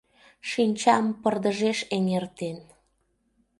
Шинчам пырдыжеш эҥертен.